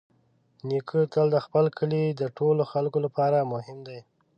نیکه تل د خپل کلي د ټولو خلکو لپاره مهم دی.